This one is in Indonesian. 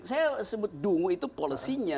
saya sebut dungu itu polisinya